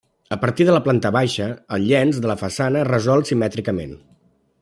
A partir de la planta baixa el llenç de la façana es resol simètricament.